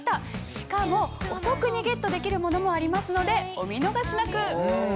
しかもお得にゲットできるものもありますのでお見逃しなく。